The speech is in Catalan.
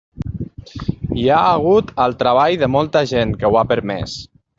Hi ha hagut el treball de molta gent que ho ha permès.